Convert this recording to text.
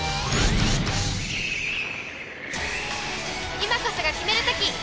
今こそがキメる時！